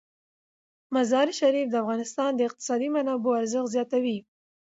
مزارشریف د افغانستان د اقتصادي منابعو ارزښت زیاتوي.